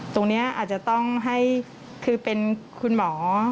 ตรงนี้อาจจะต้องให้คือเป็นคุณหมอ